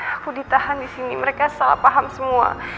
aku ditahan disini mereka salah paham semua